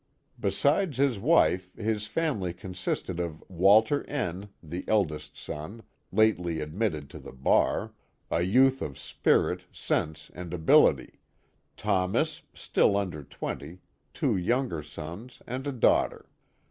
Besides his wife, his family consisted of Walter N., the eldest son, lately ad mitted to the bar, a youth of spirit, sense, and ability '*; Thomas, still under twenty, two younger sons, and a daughter.